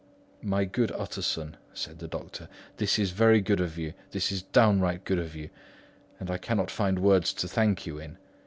"My good Utterson," said the doctor, "this is very good of you, this is downright good of you, and I cannot find words to thank you in.